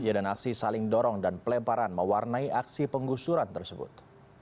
ya dan aksi saling dorong dan pelemparan mewarnai aksi penggusuran tersebut